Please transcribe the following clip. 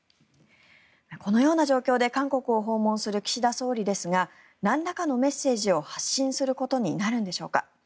このような状況で韓国を訪問する岸田総理ですがなんらかのメッセージを発信することになるのでしょうか。